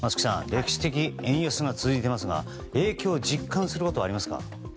歴史的円安が続いていますが影響を実感することはありますか。